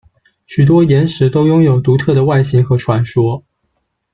许多岩石都拥有独特的外形和传说。